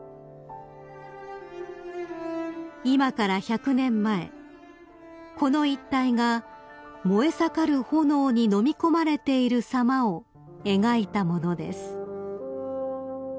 ［今から１００年前この一帯が燃え盛る炎にのみ込まれているさまを描いたものです］